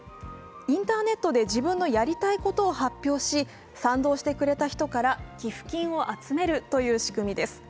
インターネットで自分のやりたいことを発表し、賛同してくれた人から寄付金を集めるという仕組みです。